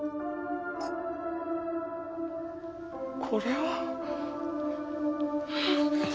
ここれは。